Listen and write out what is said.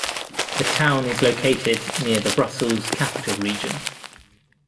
The town is located near the Brussels-Capital Region.